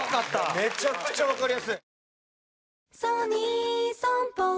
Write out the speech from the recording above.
めちゃくちゃわかりやすい。